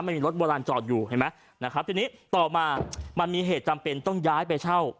ไม่มีรถโบราณจอดอยู่เห็นไหมนะครับทีนี้ต่อมามันมีเหตุจำเป็นต้องย้ายไปเช่า